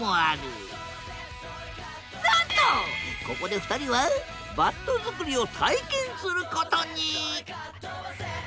ここで２人はバット作りを体験することに！